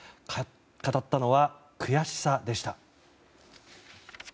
語ったのは悔しさでした。